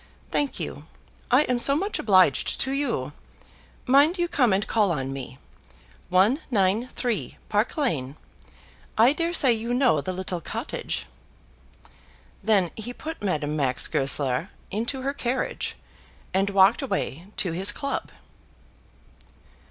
Thank you; I am so much obliged to you. Mind you come and call on me, 193, Park Lane. I dare say you know the little cottage." Then he put Madame Max Goesler into her carriage, and walked away to his club.